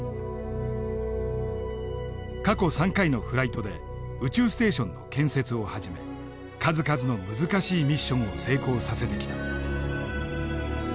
過去３回のフライトで宇宙ステーションの建設をはじめ数々の難しいミッションを成功させてきた。